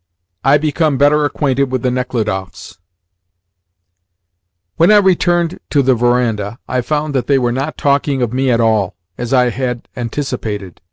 I BECOME BETTER ACQUAINTED WITH THE NECHLUDOFFS WHEN I returned to the verandah, I found that they were not talking of me at all, as I had anticipated.